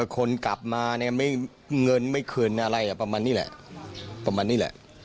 คนกลับมาเนี่ยเงินไม่คืนอะไรประมาณนี้แหละประมาณนี้แหละ